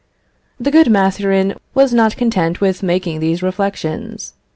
The good Mathurin was not content with making these reflections.